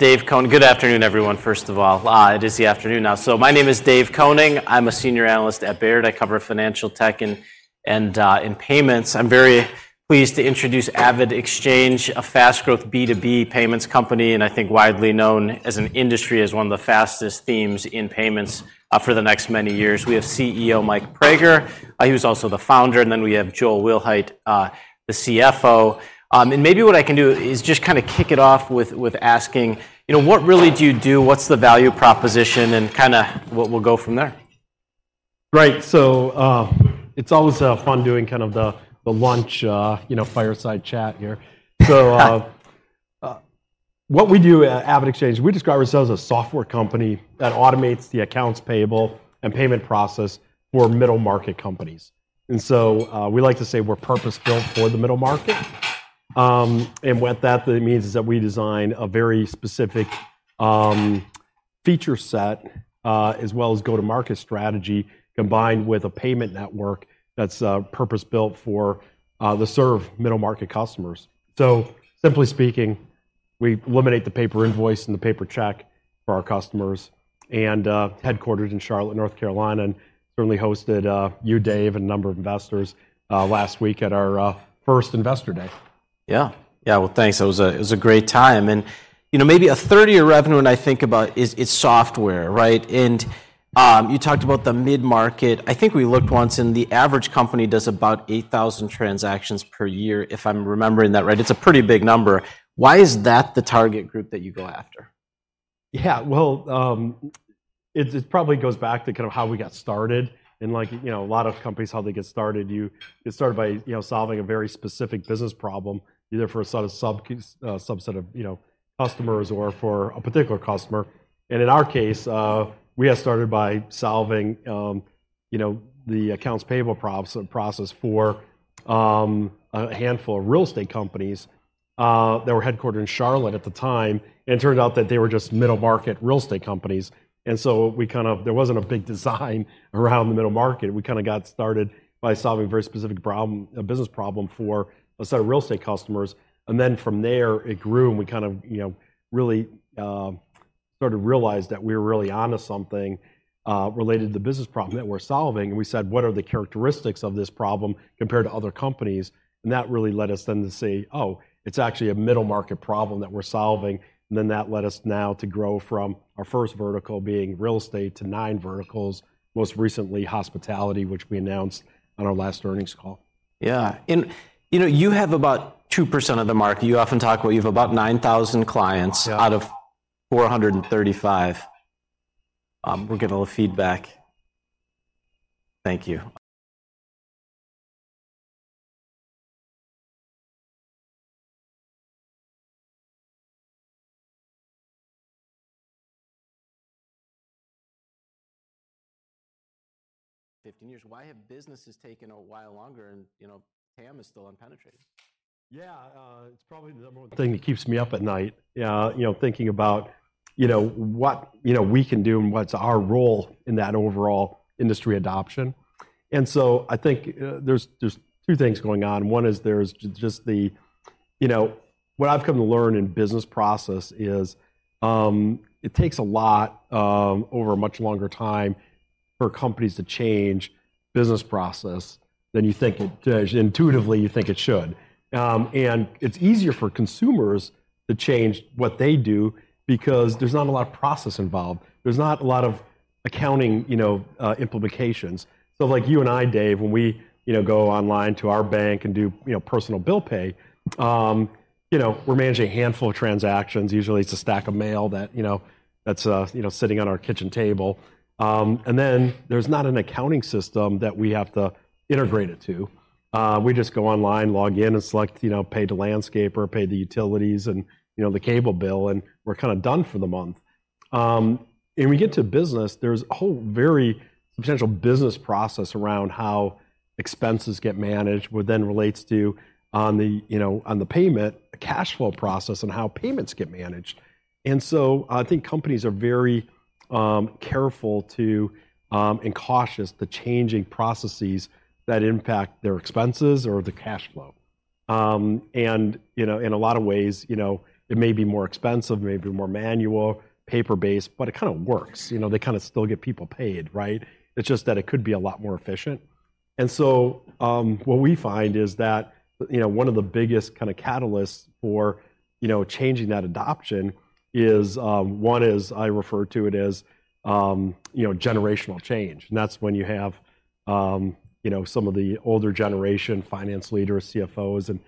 Good afternoon, everyone, first of all. It is the afternoon now. My name is David Koning. I'm a senior analyst at Baird. I cover financial tech and in payments. I'm very pleased to introduce AvidXchange, a fast-growth B2B payments company, and I think widely known as an industry, as one of the fastest themes in payments for the next many years. We have CEO Michael Praeger, he was also the founder, then we have Joel Wilhite, the CFO. Maybe what I can do is just kinda kick it off with asking, you know, what really do you do? What's the value proposition, and kinda we'll go from there. Right. It's always fun doing kind of the lunch, you know, fireside chat here. What we do at AvidXchange, we describe ourselves as a software company that automates the accounts payable and payment process for middle-market companies. We like to say we're purpose-built for the middle market. What that means is that we design a very specific feature set, as well as go-to-market strategy, combined with a payment network that's purpose-built for to serve middle-market customers. Simply speaking, we eliminate the paper invoice and the paper check for our customers and, headquartered in Charlotte, North Carolina, and certainly hosted, you, Dave, and a number of investors, last week at our first Investor Day. Yeah. Yeah. Well, thanks. It was a great time. You know, maybe a third of your revenue, when I think about is software, right? You talked about the mid-market. I think we looked once, the average company does about 8,000 transactions per year, if I'm remembering that right. It's a pretty big number. Why is that the target group that you go after? Yeah, well, it probably goes back to kind of how we got started. Like, you know, a lot of companies, how they get started, you start by, you know, solving a very specific business problem, either for a sort of subset of, you know, customers or for a particular customer. In our case, we had started by solving, you know, the accounts payable process for a handful of real estate companies, that were headquartered in Charlotte at the time, and it turned out that they were just middle-market real estate companies. There wasn't a big design around the middle market. We kind of got started by solving a very specific problem, a business problem for a set of real estate customers, from there, it grew, and we kind of, you know, really started to realize that we were really onto something related to the business problem that we're solving. We said, "What are the characteristics of this problem compared to other companies?" That really led us then to say, "Oh, it's actually a middle-market problem that we're solving." That led us now to grow from our first vertical being real estate to nine verticals, most recently, hospitality, which we announced on our last earnings call. Yeah, you know, you have about 2% of the market. You often talk about you have about 9,000 clients- Yeah. ...out of 435. We're getting a little feedback. Thank you. 15 years. Why have businesses taken a while longer, you know, TAM is still unpenetrated? Yeah, it's probably the number one thing that keeps me up at night, you know, thinking about, you know, what, you know, we can do and what's our role in that overall industry adoption. I think, there's two things going on. One is there's just the... You know, what I've come to learn in business process is, it takes a lot, over a much longer time for companies to change business process than you think it, intuitively, you think it should. It's easier for consumers to change what they do because there's not a lot of process involved. There's not a lot of accounting, you know, implications. Like you and I, Dave, when we, you know, go online to our bank and do, you know, personal bill pay, you know, we're managing a handful of transactions. Usually, it's a stack of mail that, you know, that's, you know, sitting on our kitchen table. Then there's not an accounting system that we have to integrate it to. We just go online, log in, and select, you know, pay the landscaper, pay the utilities, and, you know, the cable bill, and we're kinda done for the month. We get to business, there's a whole very substantial business process around how expenses get managed, which then relates to on the, you know, on the payment, the cash flow process and how payments get managed. I think companies are very, careful to, and cautious to changing processes that impact their expenses or the cash flow. You know, in a lot of ways, you know, it may be more expensive, it may be more manual, paper-based, but it kinda works. You know, they kinda still get people paid, right? It's just that it could be a lot more efficient. What we find is that, you know, one of the biggest kind of catalysts for, you know, changing that adoption is, one is, I refer to it as, you know, generational change, and that's when you have, you know, some of the older generation, finance leaders, CFOs, and,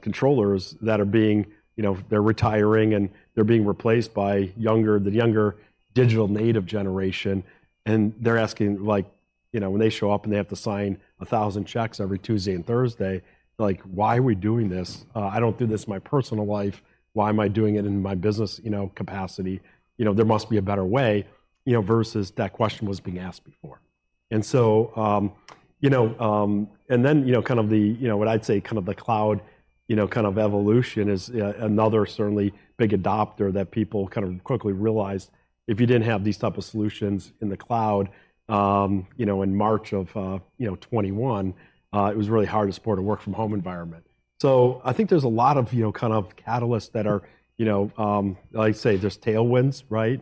controllers that are being... You know, they're retiring, and they're being replaced by younger, the younger digital native generation. They're asking, like, you know, when they show up, and they have to sign 1,000 checks every Tuesday and Thursday, like: "Why are we doing this? I don't do this in my personal life. Why am I doing it in my business, you know, capacity? You know, there must be a better way," you know, versus that question was being asked before. Then, you know, kind of the, you know, what I'd say, kind of the cloud, you know, kind of evolution is another certainly big adopter that people kind of quickly realized if you didn't have these type of solutions in the cloud, in March of 2021, it was really hard to support a work-from-home environment. I think there's a lot of, you know, kind of catalysts that are, you know, like, say, just tailwinds, right?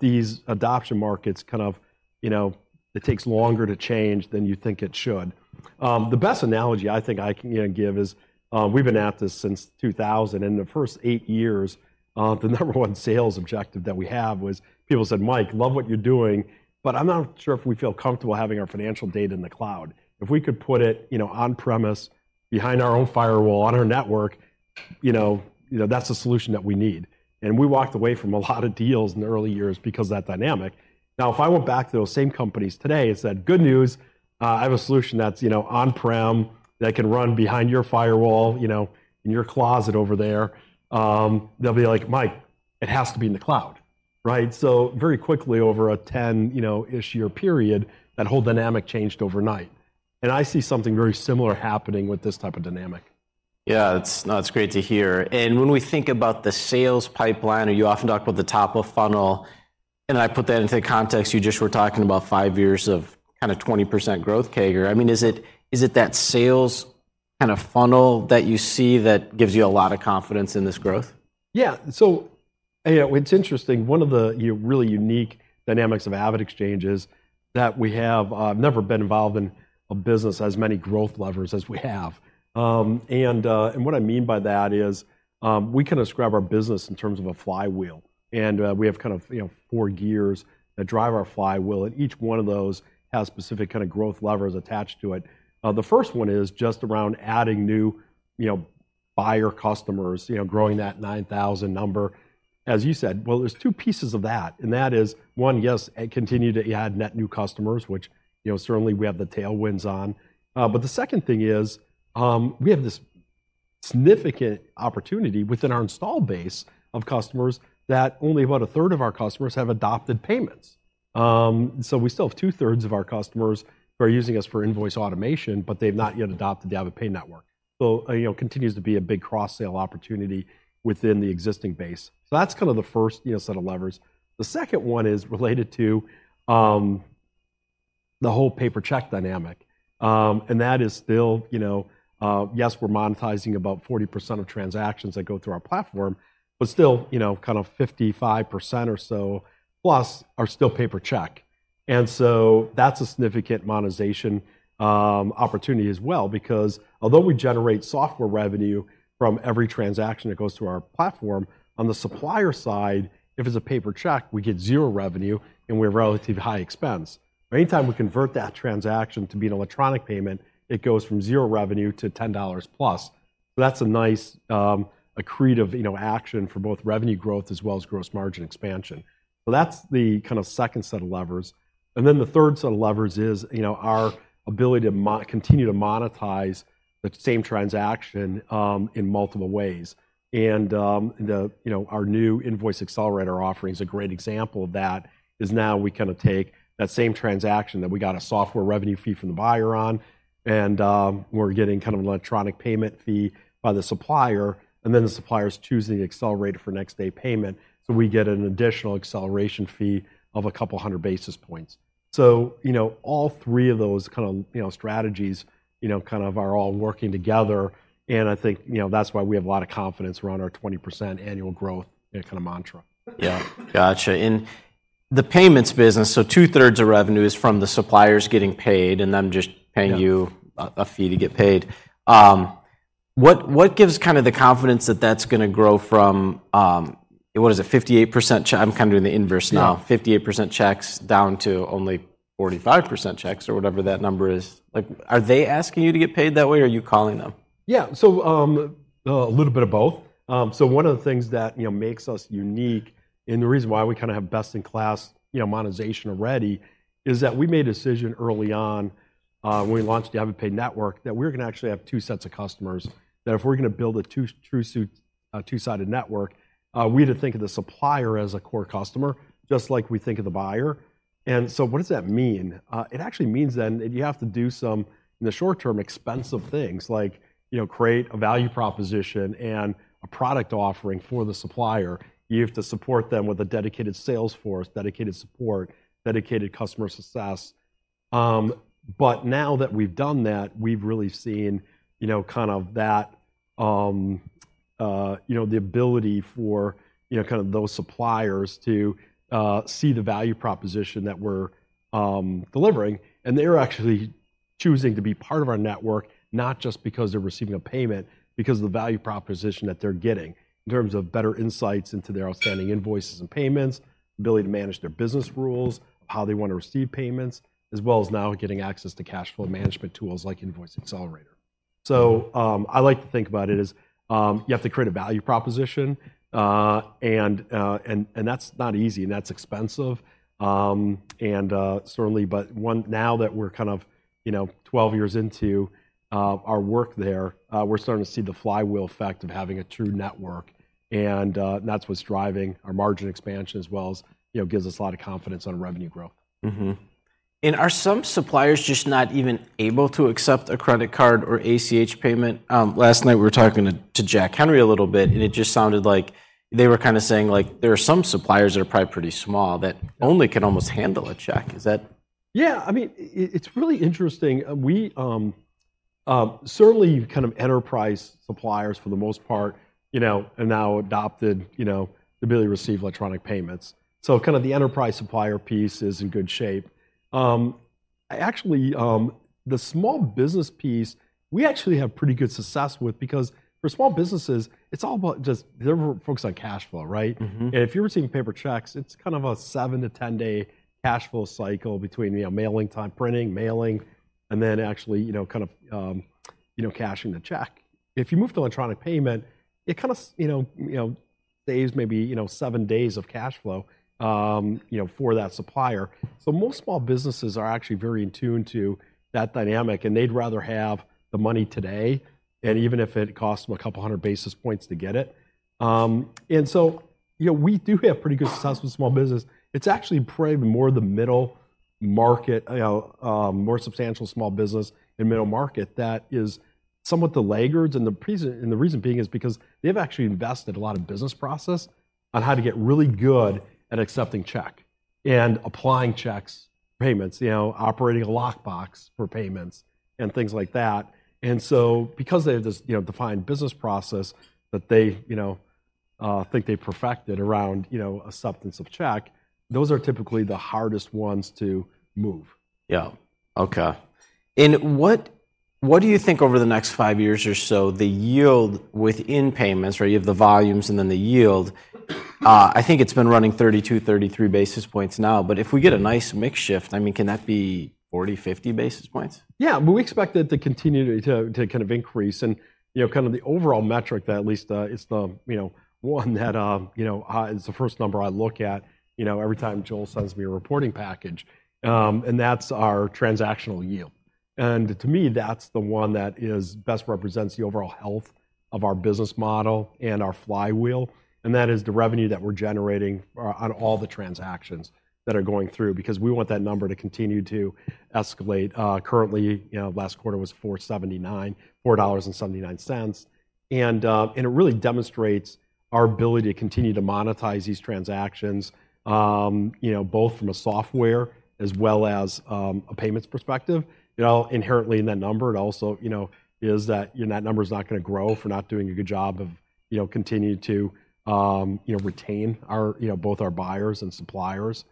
These adoption markets kind of, you know. It takes longer to change than you think it should. The best analogy I think I can, you know, give is, we've been at this since 2000, in the first eight years, the number one sales objective that we have was people said, "Mike, love what you're doing, but I'm not sure if we feel comfortable having our financial data in the cloud. If we could put it, you know, on-premise, behind our own firewall, on our network, you know, that's a solution that we need." We walked away from a lot of deals in the early years because of that dynamic. If I went back to those same companies today and said, "Good news, I have a solution that's, you know, on-prem, that can run behind your firewall, you know, in your closet over there," they'll be like, "Mike, it has to be in the cloud," right? Very quickly, over a 10, you know,-ish year period, that whole dynamic changed overnight, and I see something very similar happening with this type of dynamic. Yeah, that's great to hear. When we think about the sales pipeline, or you often talk about the top of funnel, and I put that into context, you just were talking about five years of kind of 20% growth CAGR. I mean, is it that sales kind of funnel that you see that gives you a lot of confidence in this growth? Yeah. It's interesting, one of the really unique dynamics of AvidXchange is that we have. I've never been involved in a business as many growth levers as we have. What I mean by that is, we kind of describe our business in terms of a flywheel. We have kind of, you know, four gears that drive our flywheel, and each one of those has specific kind of growth levers attached to it. The first one is just around adding new, you know, buyer customers, you know, growing that 9,000 number, as you said. Well, there's two pieces of that, and that is, one, yes, continue to add net new customers, which, you know, certainly we have the tailwinds on. The second thing is, we have this significant opportunity within our install base of customers that only about a third of our customers have adopted payments. We still have two-thirds of our customers who are using us for invoice automation, but they've not yet adopted the AvidPay Network. You know, continues to be a big cross-sell opportunity within the existing base. That's kind of the first, you know, set of levers. The second one is related to the whole paper check dynamic. That is still, you know, Yes, we're monetizing about 40% of transactions that go through our platform, but still, you know, kind of 55% or so, plus, are still paper check. That's a significant monetization opportunity as well, because although we generate software revenue from every transaction that goes through our platform, on the supplier side, if it's a paper check, we get zero revenue, and we're at relative high expense. Any time we convert that transaction to be an electronic payment, it goes from zero revenue to $10 plus. That's a nice, you know, accretive action for both revenue growth as well as gross margin expansion. That's the kind of second set of levers. The third set of levers is, you know, our ability to continue to monetize the same transaction in multiple ways. The, you know, our new Invoice Accelerator offering is a great example of that, is now we kind of take that same transaction that we got a software revenue fee from the buyer on, we're getting kind of an electronic payment fee by the supplier, and then the supplier's choosing the accelerator for next-day payment, we get an additional acceleration fee of a couple hundred basis points. You know, all three of those kind of, you know, strategies, you know, kind of are all working together, and I think, you know, that's why we have a lot of confidence around our 20% annual growth, kind of mantra. Yeah. Gotcha. The payments business, two-thirds of revenue is from the suppliers getting paid, and them- Yeah... paying you a fee to get paid. What gives kind of the confidence that that's gonna grow from, what is it? 58% check. I'm kind of doing the inverse now. Yeah. 58% checks down to only 45% checks or whatever that number is. Like, are they asking you to get paid that way, or are you calling them? Yeah. A little bit of both. One of the things that, you know, makes us unique and the reason why we kinda have best in class, you know, monetization already, is that we made a decision early on, when we launched the AvidPay Network, that we're gonna actually have two sets of customers. That if we're gonna build a two-sided network, we had to think of the supplier as a core customer, just like we think of the buyer. What does that mean? It actually means then that you have to do some, in the short term, expensive things like, you know, create a value proposition and a product offering for the supplier. You have to support them with a dedicated sales force, dedicated support, dedicated customer success. Now that we've done that, we've really seen the ability for those suppliers to see the value proposition that we're delivering, and they're actually choosing to be part of our network, not just because they're receiving a payment, because of the value proposition that they're getting in terms of better insights into their outstanding invoices and payments, ability to manage their business rules, how they want to receive payments, as well as now getting access to cash flow management tools like Invoice Accelerator. I like to think about it as you have to create a value proposition, and that's not easy, and that's expensive. Certainly, now that we're kind of, you know, 12 years into our work there, we're starting to see the flywheel effect of having a true network, and that's what's driving our margin expansion as well as, you know, gives us a lot of confidence on revenue growth. Are some suppliers just not even able to accept a credit card or ACH payment? Last night we were talking to Jack Henry a little bit. It just sounded like they were kind of saying, like, there are some suppliers that are probably pretty small, that only can almost handle a check. Is that? Yeah, I mean, it's really interesting. Certainly kind of enterprise suppliers for the most part, you know, have now adopted, you know, the ability to receive electronic payments. Kind of the enterprise supplier piece is in good shape. Actually, the small business piece, we actually have pretty good success with, because for small businesses, it's all about just they're focused on cash flow, right? Mm-hmm. If you're receiving paper checks, it's kind of a seven to 10-day cash flow cycle between, you know, mailing time, printing, mailing, and then actually, you know, kind of, you know, cashing the check. If you move to electronic payment, it kind of, you know, saves maybe, you know, seven days of cash flow, you know, for that supplier. Most small businesses are actually very in tune to that dynamic, and they'd rather have the money today, and even if it costs them a couple of 100 basis points to get it. You know, we do have pretty good success with small business. It's actually probably more the middle market, you know, more substantial small business and middle market that is somewhat the laggards, and the reason being is because they've actually invested a lot of business process on how to get really good at accepting check and applying checks, payments, you know, operating a lockbox for payments and things like that. Because they have this, you know, defined business process that they, you know, think they perfected around, you know, acceptance of check, those are typically the hardest ones to move. Yeah. Okay. What do you think over the next five years or so, the yield within payments, right? You have the volumes and then the yield. I think it's been running 32, 33 basis points now, but if we get a nice mix shift, I mean, can that be 40 basis points, 50 basis points? Yeah, well, we expect it to continue to kind of increase, and, you know, kind of the overall metric that at least is the, you know, one that, you know, is the first number I look at, you know, every time Joel sends me a reporting package, and that's our transaction yield. To me, that's the one that best represents the overall health of our business model and our flywheel, and that is the revenue that we're generating on all the transactions that are going through, because we want that number to continue to escalate. Currently, you know, last quarter was $4.79, and it really demonstrates our ability to continue to monetize these transactions, you know, both from a software as well as a payments perspective. You know, inherently in that number, it also, you know, is that, you know, that number is not going to grow if we're not doing a good job of, you know, continuing to, you know, retain our, you know, both our buyers and suppliers,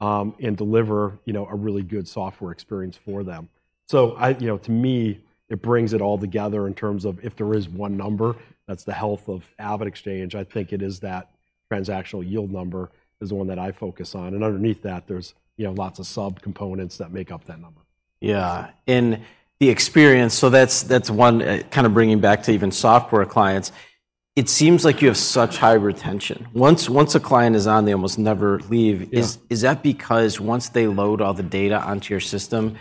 and deliver, you know, a really good software experience for them. I, you know, to me, it brings it all together in terms of if there is one number, that's the health of AvidXchange, I think it is that transaction yield number, is the one that I focus on, and underneath that, there's, you know, lots of subcomponents that make up that number. Yeah, and the experience, so that's one kind of bringing back to even software clients. It seems like you have such high retention. Once a client is on, they almost never leave. Yeah. Is that because once they load all the data onto your system,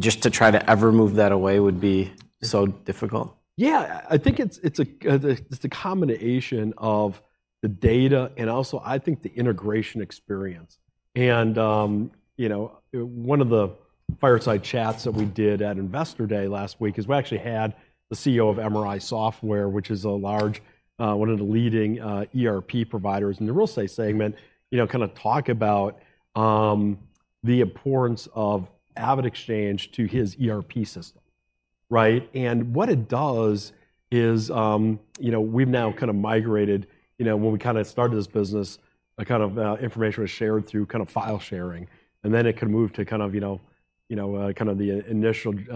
just to try to ever move that away would be so difficult? Yeah. I think it's a, it's a combination of the data and also I think the integration experience. You know, one of the fireside chats that we did at Investor Day last week is we actually had the CEO of MRI Software, which is a large, one of the leading, ERP providers in the real estate segment, you know, kind of talk about, the importance of AvidXchange to his ERP system, right? What it does is, you know, we've now kind of migrated... You know, when we kind of started this business, a kind of, information was shared through kind of file sharing, and then it could move to kind of, you know, you know, kind of the initial, you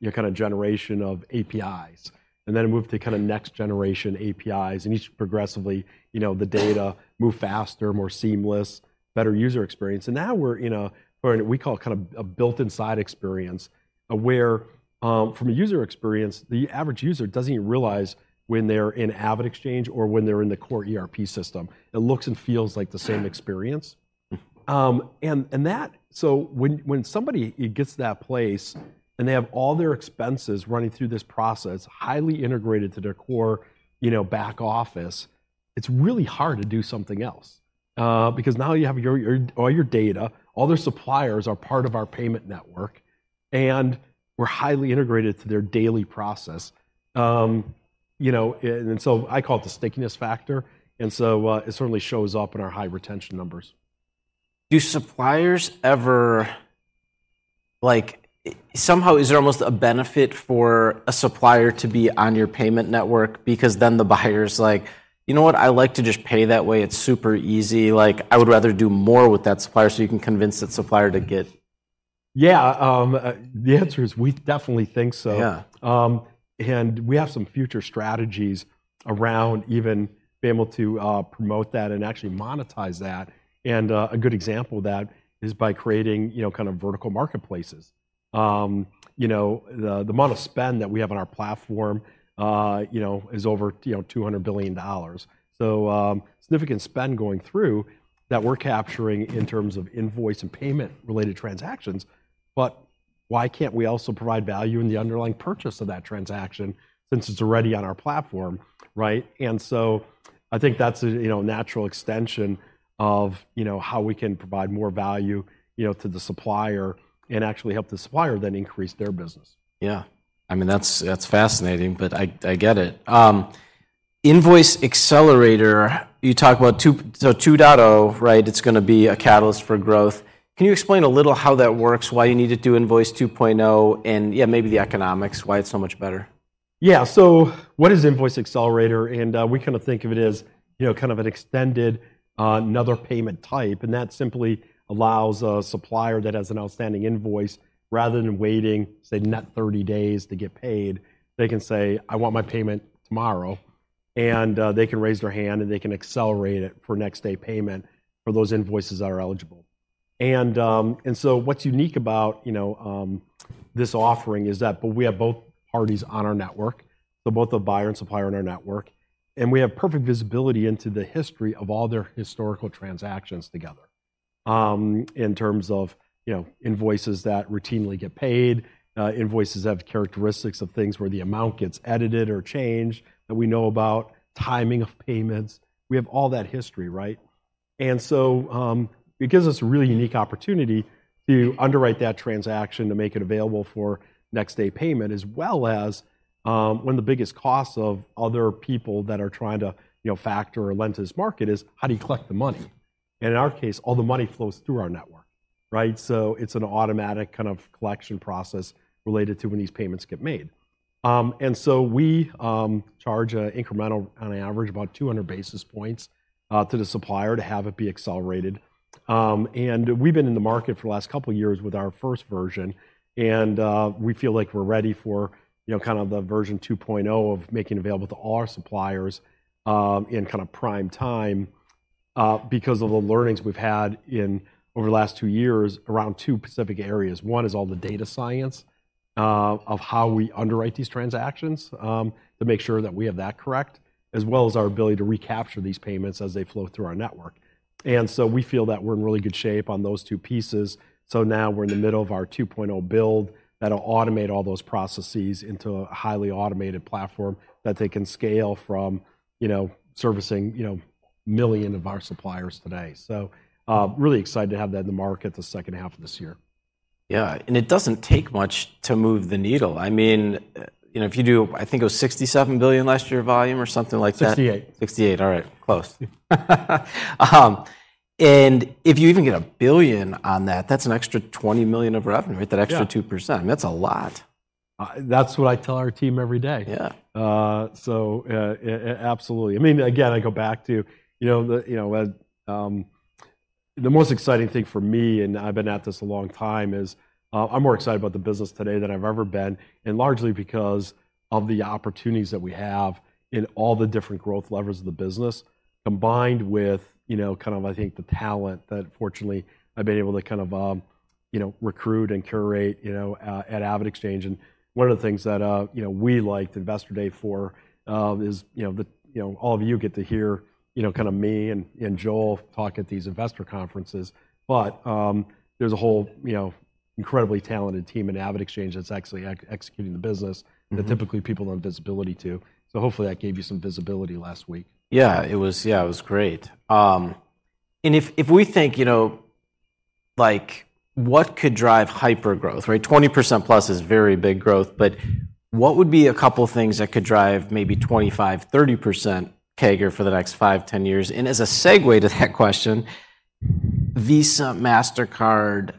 know, kind of generation of APIs. Then it moved to kind of next generation APIs, and each progressively, you know, the data move faster, more seamless, better user experience. Now we're in a, what we call kind of a built-in experience, where, from a user experience, the average user doesn't even realize when they're in AvidXchange or when they're in the core ERP system. It looks and feels like the same experience. Mm. When somebody gets to that place, they have all their expenses running through this process, highly integrated to their core, you know, back office, it's really hard to do something else. Now you have your, all your data, all their suppliers are part of our payment network, and we're highly integrated to their daily process. You know, I call it the stickiness factor, it certainly shows up in our high retention numbers. Do suppliers ever, like, Somehow, is there almost a benefit for a supplier to be on your payment network? The buyer's like: "You know what? I like to just pay that way, it's super easy. Like, I would rather do more with that supplier," so you can convince that supplier to get- The answer is we definitely think so. Yeah. We have some future strategies around even being able to promote that and actually monetize that. A good example of that is by creating, you know, kind of vertical marketplaces. You know, the amount of spend that we have on our platform, you know, is over, you know, $200 billion. Significant spend going through that we're capturing in terms of invoice and payment-related transactions, but why can't we also provide value in the underlying purchase of that transaction since it's already on our platform, right? I think that's a, you know, natural extension of, you know, how we can provide more value, you know, to the supplier and actually help the supplier then increase their business. Yeah. I mean, that's fascinating, but I get it. Invoice Accelerator, you talk about 2.0, right? It's gonna be a catalyst for growth. Can you explain a little how that works, why you need to do Invoice Accelerator 2.0, and yeah, maybe the economics, why it's so much better? What is Invoice Accelerator? We kinda think of it as, you know, kind of an extended, another payment type, and that simply allows a supplier that has an outstanding invoice, rather than waiting, say, net 30 days to get paid, they can say, "I want my payment tomorrow," and they can raise their hand, and they can accelerate it for next-day payment for those invoices that are eligible. What's unique about, you know, this offering is that we have both parties on our network, so both the buyer and supplier on our network, and we have perfect visibility into the history of all their historical transactions together. In terms of, you know, invoices that routinely get paid, invoices have characteristics of things where the amount gets edited or changed, that we know about timing of payments. We have all that history, right? It gives us a really unique opportunity to underwrite that transaction, to make it available for next-day payment, as well as, one of the biggest costs of other people that are trying to, you know, factor or lend to this market is: how do you collect the money? In our case, all the money flows through our network, right? It's an automatic kind of collection process related to when these payments get made. We charge an incremental on average about 200 basis points to the supplier to have it be accelerated. We've been in the market for the last couple of years with our first version, we feel like we're ready for, you know, kind of the version 2.0 of making available to all our suppliers in kind of prime time because of the learnings we've had in over the last two years around two specific areas. One is all the data science of how we underwrite these transactions to make sure that we have that correct, as well as our ability to recapture these payments as they flow through our network. We feel that we're in really good shape on those two pieces, now we're in the middle of our 2.0 build that'll automate all those processes into a highly automated platform that they can scale from, you know, servicing, you know, million of our suppliers today. really excited to have that in the market the second half of this year. Yeah, it doesn't take much to move the needle. I mean, you know, I think it was $67 billion last year volume or something like that. $68 billion. $68 billion. All right, close. If you even get $1 billion on that's an extra $20 million of revenue- Yeah with that extra 2%. That's a lot. That's what I tell our team every day. Yeah. Absolutely. I mean, again, I go back to, you know, the most exciting thing for me, and I've been at this a long time, is I'm more excited about the business today than I've ever been, and largely because of the opportunities that we have in all the different growth levers of the business, combined with, you know, kind of, I think, the talent that fortunately I've been able to kind of, you know, recruit and curate, you know, at AvidXchange. One of the things that, you know, we like the Investor Day for, is, you know, the all of you get to hear, you know, kind of me and Joel talk at these investor conferences. There's a whole, you know, incredibly talented team at AvidXchange that's actually executing the business- Mm. ...that typically people don't have visibility to. Hopefully, that gave you some visibility last week. Yeah, it was. Yeah, it was great. If, if we think, you know, like, what could drive hypergrowth, right? 20% plus is very big growth, but what would be a couple things that could drive maybe 25%, 30% CAGR for the next five, 10 years? As a segue to that question, Visa, Mastercard,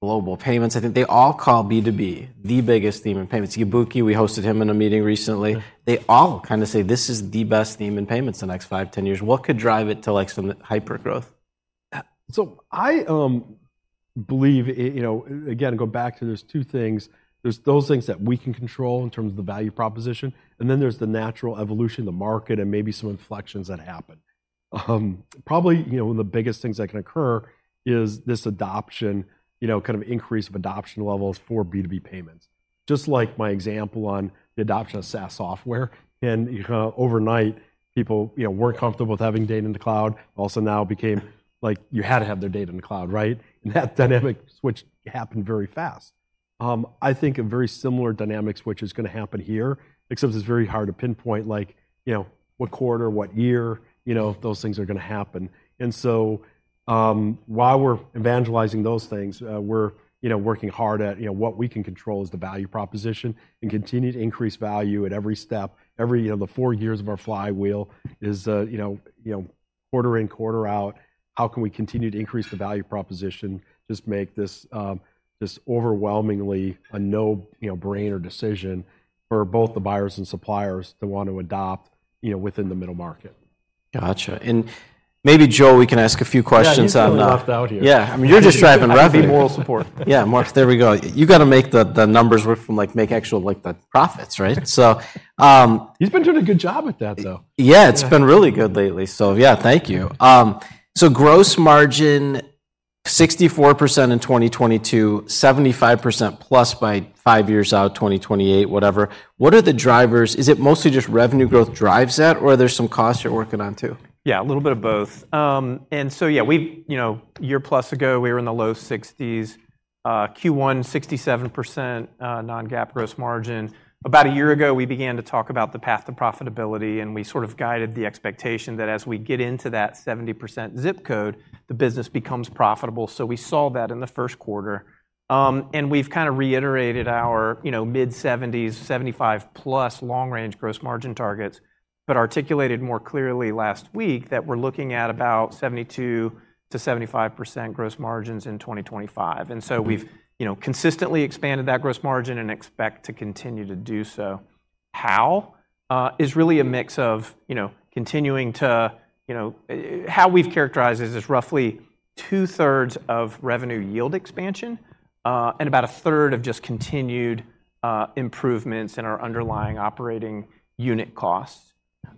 Global Payments, I think they all call B2B the biggest theme in payments. Ibuki, we hosted him in a meeting recently. Yeah. They all kinda say this is the best theme in payments the next five, 10 years. What could drive it to, like, some hypergrowth? I believe, you know, again, go back to there's two things. There's those things that we can control in terms of the value proposition, and then there's the natural evolution, the market, and maybe some inflections that happen. Probably, you know, one of the biggest things that can occur is this adoption, you know, kind of increase of adoption levels for B2B payments. Just like my example on the adoption of SaaS software, and overnight, people, you know, weren't comfortable with having data in the cloud, also now became like you had to have their data in the cloud, right? That dynamic switch happened very fast. I think a very similar dynamic switch is gonna happen here, except it's very hard to pinpoint, like, you know, what quarter, what year, you know, those things are gonna happen. While we're evangelizing those things, we're, you know, working hard at, you know, what we can control is the value proposition and continue to increase value at every step. Every, you know, the four years of our flywheel is, you know, quarter in, quarter out, how can we continue to increase the value proposition? Just make this overwhelmingly a no, you know, brain or decision for both the buyers and suppliers to want to adopt, you know, within the middle market. Gotcha. Maybe, Joel, we can ask a few questions on. Yeah, you feel left out here. Yeah, I mean, you're just driving revenue. I give moral support. Yeah, Mark, there we go. You've got to make the numbers work from, like, make actual, like, the profits, right? He's been doing a good job with that, though. Yeah, it's been really good lately, so yeah, thank you. Gross margin, 64% in 2022, 75%+ by five years out, 2028, whatever. What are the drivers? Is it mostly just revenue growth drives that, or are there some costs you're working on, too? Yeah, a little bit of both. Yeah, we've, you know, a year plus ago, we were in the low 60s. Q1, 67% non-GAAP gross margin. About a year ago, we began to talk about the path to profitability, and we sort of guided the expectation that as we get into that 70% zip code, the business becomes profitable. We saw that in the first quarter. We've kind of reiterated our, you know, mid-70s, 75%+ long-range gross margin targets, but articulated more clearly last week that we're looking at about 72%-75% gross margins in 2025. We've, you know, consistently expanded that gross margin and expect to continue to do so. How is really a mix of, you know, continuing to, you know. How we've characterized it, is roughly two-thirds of revenue yield expansion, and about one-third of just continued improvements in our underlying operating unit costs.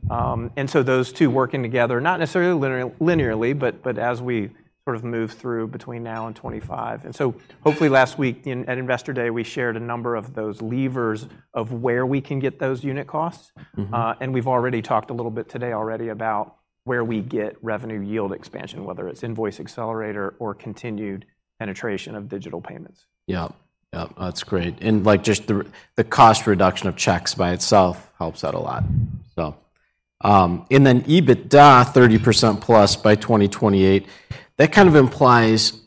Those two working together, not necessarily linearly, but as we sort of move through between now and 2025. Hopefully last week at Investor Day, we shared a number of those levers of where we can get those unit costs. Mm-hmm. We've already talked a little bit today already about where we get revenue yield expansion, whether it's Invoice Accelerator or continued penetration of digital payments. Yeah. Yeah, that's great. Like just the cost reduction of checks by itself helps out a lot. EBITDA 30% plus by 2028, that kind of implies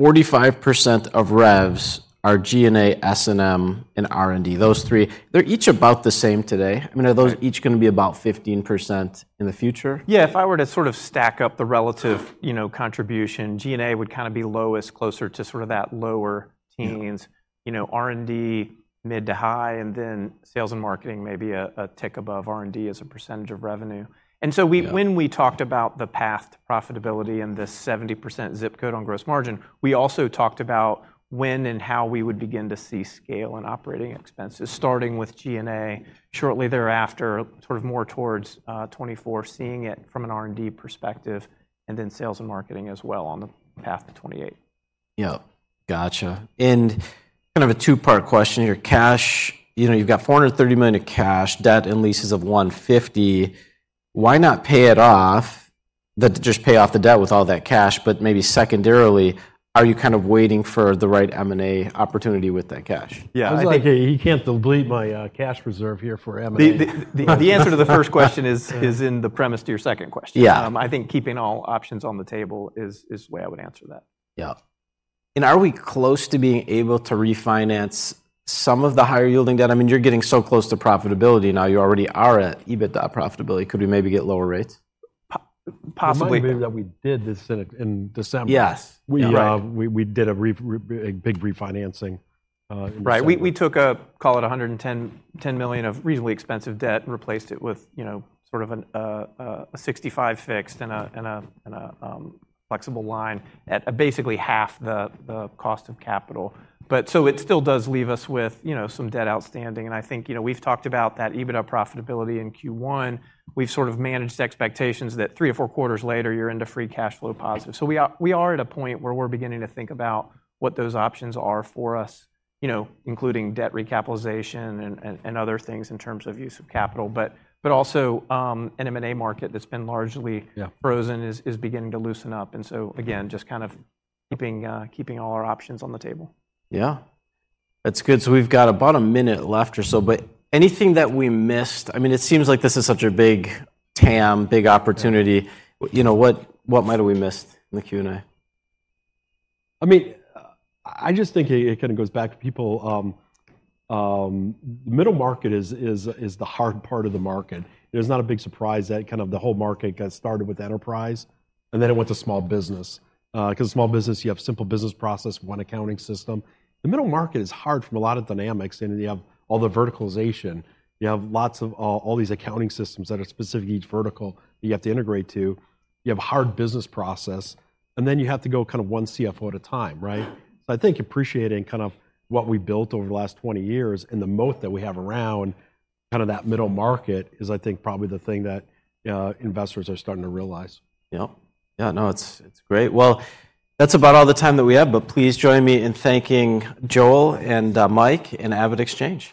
45% of revs are G&A, S&M, and R&D. Those three, they're each about the same today. Right. I mean, are those each going to be about 15% in the future? If I were to sort of stack up the relative, you know, contribution, G&A would kind of be lowest, closer to sort of that lower teens. Yeah. You know, R&D, mid to high, and then, sales and marketing, maybe a tick above R&D as a percent of revenue. Yeah. When we talked about the path to profitability and the 70% zip code on gross margin, we also talked about when and how we would begin to see scale in operating expenses, starting with G&A shortly thereafter, sort of more towards 2024, seeing it from an R&D perspective, and then sales and marketing as well on the path to 2028. Yeah. Gotcha. Kind of a two-part question: your cash, you know, you've got $430 million in cash, debt and leases of $150 million. Why not pay it off? Just pay off the debt with all that cash, maybe secondarily, are you kind of waiting for the right M&A opportunity with that cash? Yeah. It's like, you can't delete my cash reserve here for M&A. The answer to the first question is in the premise to your second question. Yeah. I think keeping all options on the table is the way I would answer that. Yeah. Are we close to being able to refinance some of the higher-yielding debt? I mean, you're getting so close to profitability now. You already are at EBITDA profitability. Could we maybe get lower rates? Possibly. It might be that we did this in December. Yes. We. Right We did a big refinancing in December. Right. We took a, call it $110 million of reasonably expensive debt and replaced it with, you know, sort of an a 65 fixed and a flexible line at basically half the cost of capital. It still does leave us with, you know, some debt outstanding, and I think, you know, we've talked about that EBITDA profitability in Q1. We've sort of managed expectations that three or four quarters later, you're into free cash flow positive. We are at a point where we're beginning to think about what those options are for us, you know, including debt recapitalization and other things in terms of use of capital. Also, an M&A market that's been largely Yeah frozen, is beginning to loosen up. Again, just kind of keeping all our options on the table. Yeah. That's good. We've got about one minute left or so, but anything that we missed? I mean, it seems like this is such a big TAM, big opportunity. Yeah. You know, what might have we missed in the Q&A? I mean, I just think it kind of goes back to people, middle market is the hard part of the market. It is not a big surprise that kind of the whole market got started with enterprise. It went to small business. Because small business, you have simple business process, one accounting system. The middle market is hard from a lot of dynamics. You have all the verticalization. You have lots of all these accounting systems that are specific to each vertical you have to integrate to. You have a hard business process. You have to go kind of one CFO at a time, right? I think appreciating kind of what we built over the last 20 years and the moat that we have around kind of that middle market, is I think, probably the thing that, investors are starting to realize. Yep. Yeah, no, it's great. That's about all the time that we have, but please join me in thanking Joel and Mike, and AvidXchange.